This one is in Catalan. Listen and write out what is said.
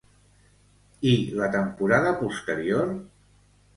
I la temporada posterior?